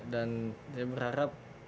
dan saya berharap